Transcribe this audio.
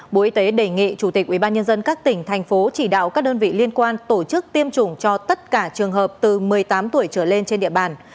bộ y tế đề nghị chủ tịch ubnd các tỉnh thành phố chỉ đạo các đơn vị liên quan tổ chức tiêm chủng cho tất cả trường hợp từ một mươi tám tuổi trở lên trên địa bàn